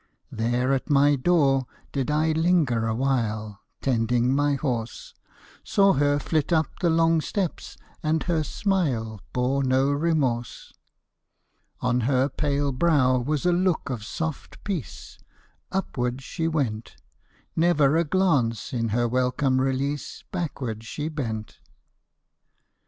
There at my door did I linger awhile Tending my horse, Saw her flit up the long steps, and her smile Bore no remorse. On her pale brow was a look of soft peace. Upward she went ; Never a glance in her welcome release Backward she bent.